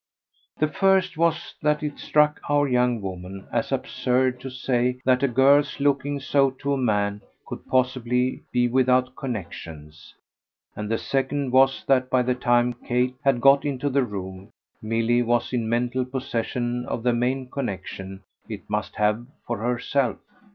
The first was that it struck our young woman as absurd to say that a girl's looking so to a man could possibly be without connexions; and the second was that by the time Kate had got into the room Milly was in mental possession of the main connexion it must have for herself.